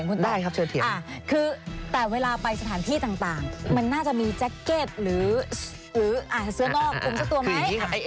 คือเวลาไปสถานที่ต่างน่าจะมีแจ็คเก็ตหรือเสื้อนอกมึงคุณเจอตัวไหม